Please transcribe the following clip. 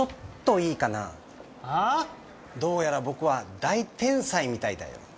どうやら僕は大天才みたいだよ。